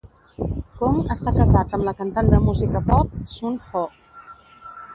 Kong està casat amb la cantant de música pop Sun Ho.